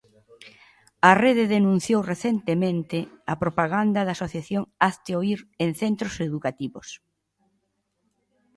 A Rede denunciou recentemente a propaganda da asociación Hazte Oír en centros educativos.